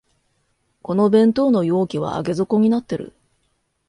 この弁当の容器は上げ底になってる